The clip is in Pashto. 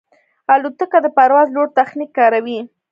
الوتکه د پرواز لوړ تخنیک کاروي.